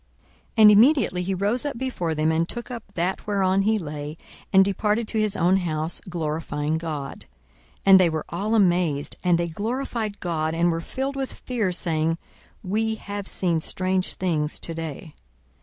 42:005:025 And immediately he rose up before them, and took up that whereon he lay, and departed to his own house, glorifying God. 42:005:026 And they were all amazed, and they glorified God, and were filled with fear, saying, We have seen strange things to day.